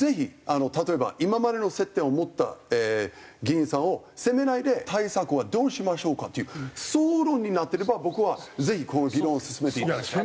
例えば「今までの接点を持った議員さんを責めないで対策はどうしましょうか？」という争論になってれば僕はぜひこの議論を進めていただきたい。